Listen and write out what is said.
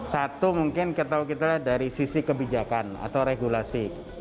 satu mungkin kita tahu dari sisi kebijakan atau regulasi